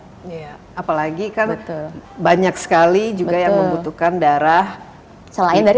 iya apalagi kan banyak sekali juga yang membutuhkan darah selain thalassemia itu sendiri